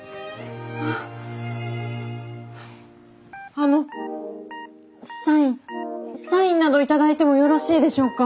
あのサインサインなど頂いてもよろしいでしょうか？